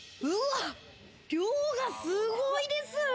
量がすごいです。